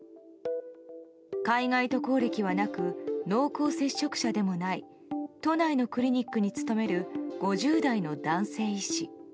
海外渡航歴はなく濃厚接触者でもない都内のクリニックに勤める５０代の男性医師。